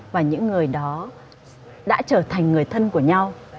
và những người đó đã trở thành người thân của nhau